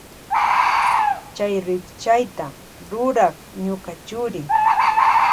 Chay rikchayta rurak ñuka churi.